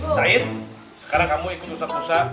sair sekarang kamu ikut ustadz ustadz